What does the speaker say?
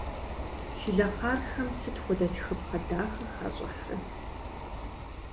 Шылэхъархэм сыт хуэдэ тхыпхъэ дахэ хащӏыхьрэт.